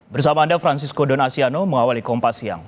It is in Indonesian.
bersama anda francisco donasiano mengawali kompas siang